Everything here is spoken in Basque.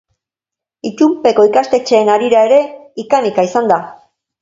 Itunpeko ikastetxeen harira ere ika-mika izan da.